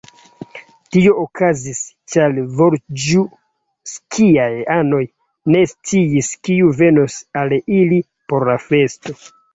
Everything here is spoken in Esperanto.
Tio okazis, ĉar volĵskij-anoj ne sciis, kiu venos al ili por la festo.